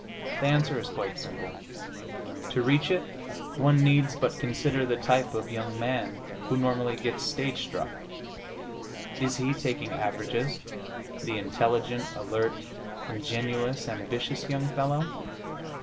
The answer is quite simple. To reach it one needs but consider the type of young man who normally gets stage struck. Is he, taking averages, the intelligent, alert, ingenious, ambitious young fellow?